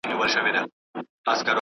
د پوهې ژورتیا له پراخوالي مهمه وي.